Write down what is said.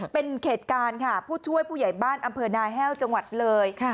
เป็นเหตุการณ์ค่ะผู้ช่วยผู้ใหญ่บ้านอำเภอนาแห้วจังหวัดเลย